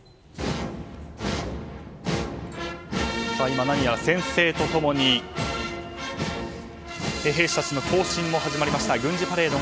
今、宣誓と共に兵士たちの行進も始まりました。